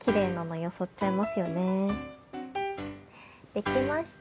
できました